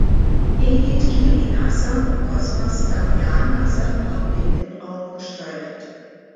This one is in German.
Egid Quirin Asam und Cosmas Damian Asam haben den Innenraum gestaltet.